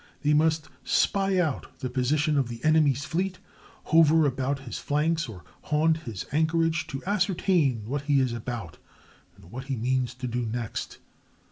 They must spy out the position of the enemy's fleet, hover about his flanks or haunt his anchorage to ascertain what he is about and what he means to do next.